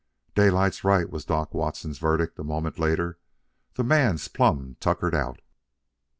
"Daylight's right," was Doc Watson's verdict, a moment later. "The man's plumb tuckered out."